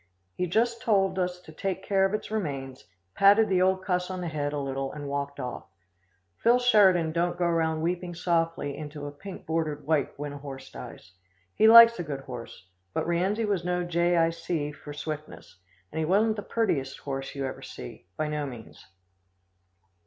He just told us to take care of its remains, patted the old cuss on the head a little and walked off. Phil Sheridan don't go around weeping softly into a pink bordered wipe when a horse dies. He likes a good horse, but Rienzi was no Jay Eye See for swiftness, and he wasn't the purtiest horse you ever see, by no means."